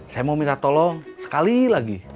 saya mau minta tolong sekali lagi